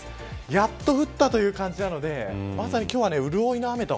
やっと降ったという感じなのでまさに今日は潤いの雨と。